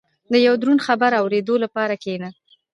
• د یو دروند خبر اورېدو لپاره کښېنه.